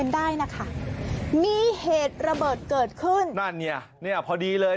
อย่าลงโซเชียลเยอะเลย